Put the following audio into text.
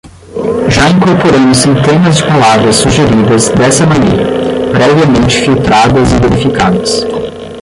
Já incorporamos centenas de palavras sugeridas dessa maneira, previamente filtradas e verificadas.